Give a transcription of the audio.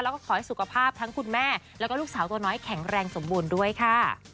แล้วก็ขอให้สุขภาพทั้งคุณแม่แล้วก็ลูกสาวตัวน้อยแข็งแรงสมบูรณ์ด้วยค่ะ